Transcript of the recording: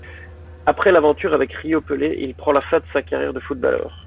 Après l'aventure avec Riopele il prend la fin de sa carrière de footballeur.